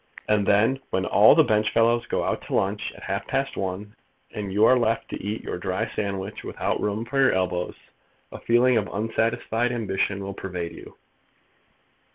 And then, when all the benchfellows go out to lunch at half past one, and you are left to eat your dry sandwich without room for your elbows, a feeling of unsatisfied ambition will pervade you.